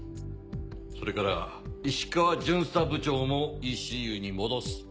それから石川巡査部長もＥＣＵに戻す。